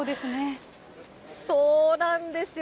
そうなんですよ。